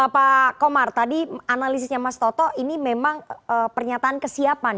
pak komar tadi analisisnya mas toto ini memang pernyataan kesiapan